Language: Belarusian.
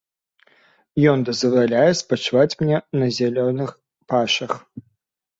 Ён дазваляе спачываць мне на зялёных пашах.